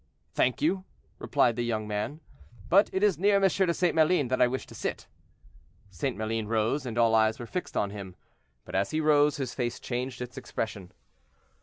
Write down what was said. "Thank you," replied the young man; "but it is near M. de St. Maline that I wish to sit." St. Maline rose, and all eyes were fixed on him. But as he rose, his face changed its expression.